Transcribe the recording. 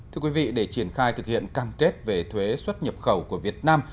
thưa quý vị để triển khai thực hiện cam kết về thuế xuất nhập khẩu của việt nam